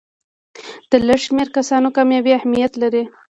د لږ شمېر کسانو کامیابي اهمیت لري.